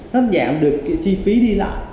nó giảm được chi phí đi lại